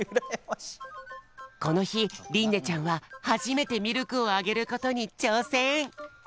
このひりんねちゃんははじめてミルクをあげることにちょうせん！